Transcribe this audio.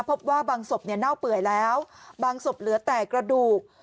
พบว่าบางศพเนี่ยเน่าเปื่อยแล้วบางศพเหลือแต่กระดูก